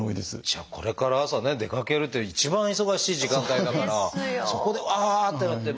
じゃあこれから朝ね出かけるっていう一番忙しい時間帯だからそこでうわってなって。